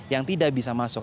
yang tidak bisa masuk